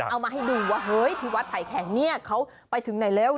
เอามาให้ดูว่าเฮ้ยที่วัดไผ่แข็งเนี่ยเขาไปถึงไหนแล้ว